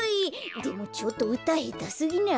でもちょっとうたへたすぎない？